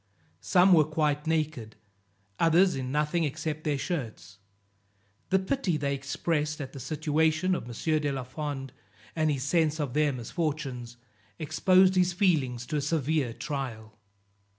Some were quite naked, others in nothing except their shirts; the pity they expressed at the situation of M. de la Fond, and his sense of their misfortunes, exposed his feelings to a severe trial.